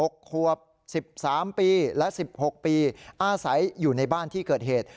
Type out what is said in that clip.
ควบ๑๓ปีและ๑๖ปีอาศัยอยู่ในบ้านที่เกิดเหตุ